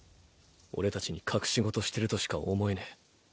俺達に隠し事してるとしか思えねえ。